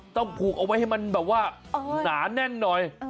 ต้องผูกเอาไว้ให้มันแบบว่าหนาแน่นหน่อย